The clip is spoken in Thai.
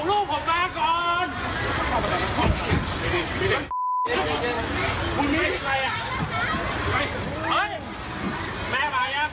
ลูกผมมาก่อน